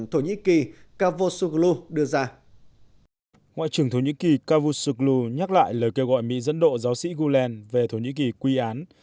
thổ nhĩ kỳ cavusoglu nhắc lại lời kêu gọi mỹ dẫn độ giáo sĩ gulen về thổ nhĩ kỳ quy án